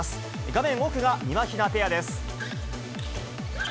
画面奥がみまひなペアです。